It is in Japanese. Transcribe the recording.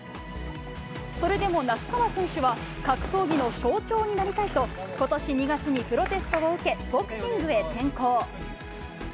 それでも那須川選手は、格闘技の象徴になりたいと、ことし２月にプロテストを受け、ボクシングへ転向。